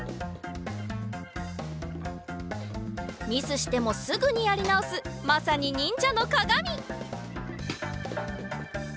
ミスしてもすぐにやりなおすまさににんじゃのかがみ。